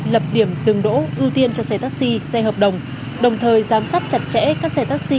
lập điểm dừng đỗ ưu tiên cho xe taxi xe hợp đồng đồng thời giám sát chặt chẽ các xe taxi